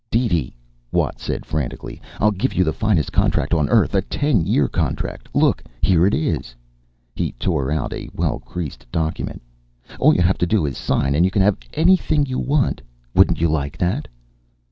"DeeDee," Watt said frantically, "I'll give you the finest contract on earth a ten year contract look, here it is." He tore out a well creased document. "All you have to do is sign, and you can have anything you want. Wouldn't you like that?"